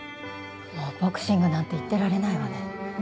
もうボクシングなんて言ってられないわね。